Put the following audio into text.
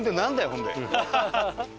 ほんで。